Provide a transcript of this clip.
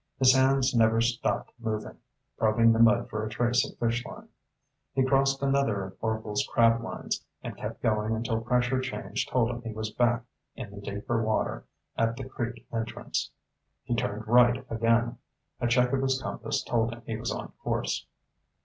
His hands never stopped moving, probing the mud for a trace of fish line. He crossed another of Orvil's crab lines, and kept going until pressure change told him he was back in the deeper water at the creek entrance. He turned right again. A check of his compass told him he was on course.